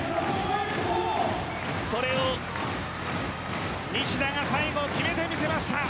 それを西田が最後、決めてみせました。